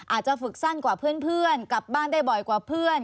อาจจะฝึกสั้นกว่าเพื่อนกลับบ้านได้บ่อยกว่าเพื่อน